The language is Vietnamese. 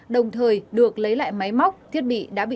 đồng thời được lấy lại máy móc thiết bị đảm bảo